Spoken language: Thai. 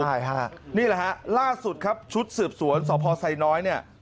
ใช่ฮะนี่แหละฮะล่าสุดครับชุดสืบสวนสพไซน้อยเนี่ย